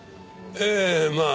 ええまあ